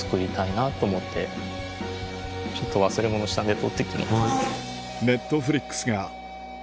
ちょっと忘れ物したんで取って来ます。